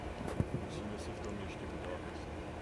Musíme si v tom ještě udělat jasno.